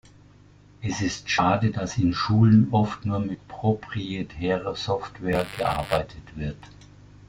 Es ist schade, dass in Schulen oft nur mit proprietärer Software gearbeitet wird.